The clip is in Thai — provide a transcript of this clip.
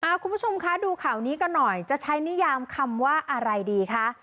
คุณผู้ชมคะดูข่าวนี้กันหน่อยจะใช้นิยามคำว่าอะไรดีคะ